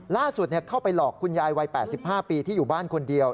เข้าไปหลอกคุณยายวัย๘๕ปีที่อยู่บ้านคนเดียว